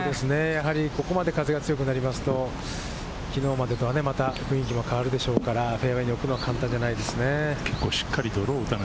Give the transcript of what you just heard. ここまで風が強くなりますと、きのうまでとは、また雰囲気も変わるでしょうから、フェアウエーに置くのは簡単じゃないですね。